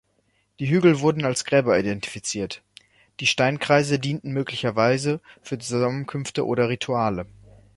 Die Hügel wurden als Gräber identifiziert; die Steinkreise dienten möglicherweise für Zusammenkünfte oder Rituale.